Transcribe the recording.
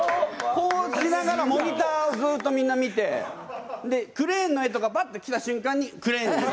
こうしながらモニターをずっとみんな見てクレーンの絵とかバッときた瞬間にクレーンを。